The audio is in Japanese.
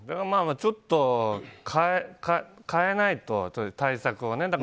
ちょっと変えないと、対策をね。